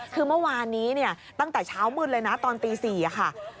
คือเมื่อวานนี้เนี่ยตั้งแต่เช้ามืดเลยนะตอนตี๔ค่ะ